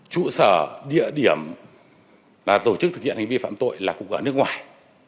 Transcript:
chủ sở địa điểm tổ chức thực hiện hành vi phạm tội là cục ả nước ngoài